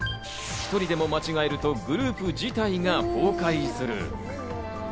１人でも間違えるとグループ自体が崩壊する。